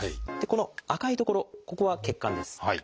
この赤い所ここは血管です。